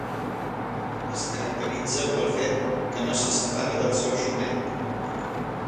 Es caracteritza pel fet que no se separa del seu xumet.